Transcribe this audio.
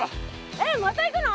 えっまた行くの？